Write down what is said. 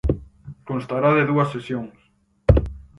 Constará de dúas sesións.